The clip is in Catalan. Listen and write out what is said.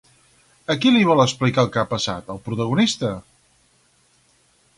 A qui li vol explicar el que ha passat, el protagonista?